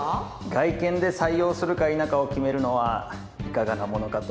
外見で採用するか否かを決めるのはいかがなものかと。